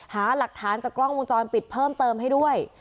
หาหลักฐานจากกล้องวงจรปิดเพิ่มเติมให้ด้วย